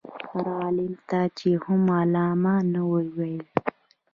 هر عالم ته یې هم علامه نه ویل.